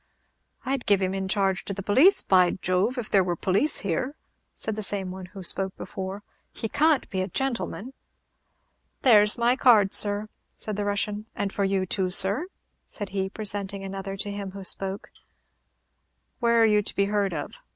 "I'd give him in charge to the police, by Jove! if there were police here," said the same one who spoke before; "he can't be a gentleman." "There 's my card, sir," said the Russian; "and for you too, sir," said he, presenting another to him who spoke. "Where are you to be heard of?"